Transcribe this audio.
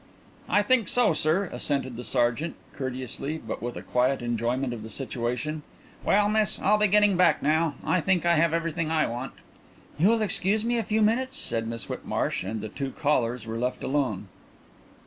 "I think so, sir," assented the sergeant, courteously but with a quiet enjoyment of the situation. "Well, miss, I'll be getting back now. I think I have everything I want." "You will excuse me a few minutes?" said Miss Whitmarsh, and the two callers were left alone.